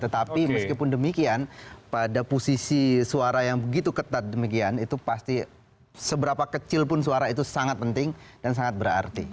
tetapi meskipun demikian pada posisi suara yang begitu ketat demikian itu pasti seberapa kecil pun suara itu sangat penting dan sangat berarti